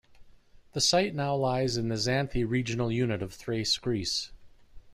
The site now lies in the Xanthi regional unit of Thrace, Greece.